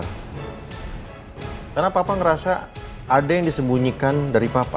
hai karena papa ngerasa ada yang disembunyikan dari papa